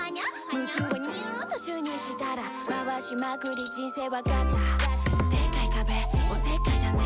夢中をニュっと注入したら回しまくり人生はガチャでっかい壁お節介だね